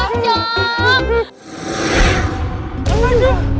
iya hantu gosong